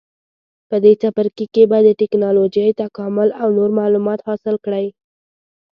په دې څپرکي کې به د ټېکنالوجۍ تکامل او نور معلومات حاصل کړئ.